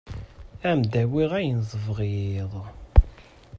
Ad m-d-awiɣ ayen tebɣiḍ.